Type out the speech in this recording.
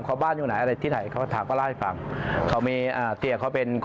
เขาได้คุยอะไรให้ฟังอยู่บ้างไหมครับ